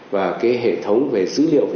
và cái hệ thống về dữ liệu về sản phẩm